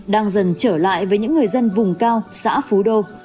đang dần trở lại với những người dân vùng cao xã phú đô